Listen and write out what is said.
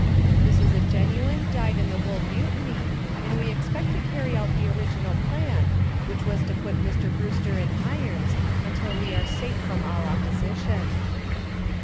"This is a genuine, dyed in the wool mutiny and we expect to carry out the original plan, which was to put Mr. Brewster in irons, until we are safe from all opposition."